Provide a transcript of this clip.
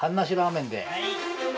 はい。